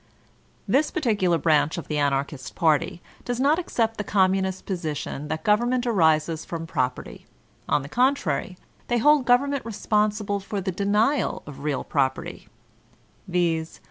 This particular branch of the Anarchist party does not accept the Communist position that Government arises from Property; on the contrary, they hold Government responsible for the denial of real property (viz.